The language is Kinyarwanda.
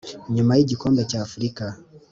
nyuma y igikombe cy Afurika